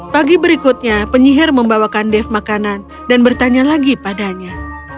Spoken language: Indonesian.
pagi berikutnya penyihir membawakan dev makanan dan bertanya lagi padanya